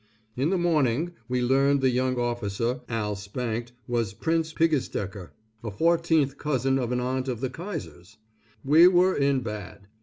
In the morning, we learned the young officer Al spanked was Prince Pigestecher, a fourteenth cousin of an aunt of the Kaiser's. We were in bad.